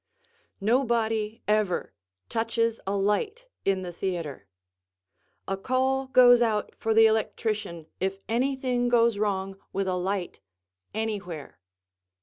Nobody ever touches a light in the theatre. A call goes out for the electrician if anything goes wrong with a light anywhere.